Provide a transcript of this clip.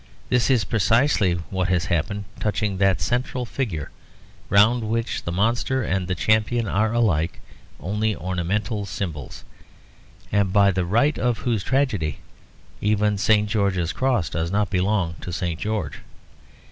This is precisely what has happened touching that central figure, round which the monster and the champion are alike only ornamental symbols; and by the right of whose tragedy even St. George's Cross does not belong to St. George.